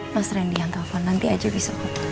mas randy yang telfon nanti aja bisa